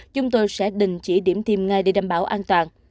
chúng tôi sẽ đình chỉ điểm tiêm ngay để đảm bảo an toàn